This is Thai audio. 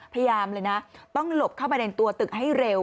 พยายามเลยนะต้องหลบเข้าไปในตัวตึกให้เร็ว